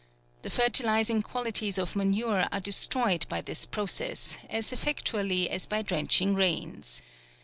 The fertilizing qualities of manure are de stroyed by this process, as effectually as by drenching rains.